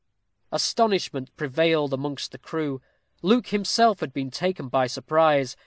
Astonishment prevailed amongst the crew. Luke himself had been taken by surprise.